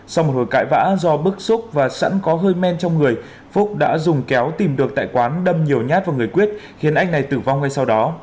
sau một hồi cãi vã do bức xúc và sẵn có hơi men trong người phúc đã dùng kéo tìm được tại quán đâm nhiều nhát vào người quyết khiến anh này tử vong ngay sau đó